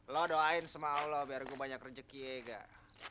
lo doain sama allah biar gue banyak rezeki gak